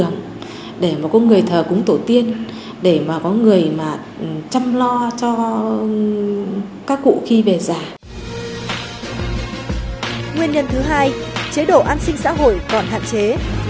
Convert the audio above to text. nguyên nhân thứ hai chế độ an sinh xã hội còn hạn chế